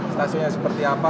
stasiunnya seperti apa